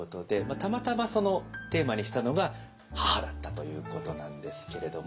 たまたまテーマにしたのが母だったということなんですけれども。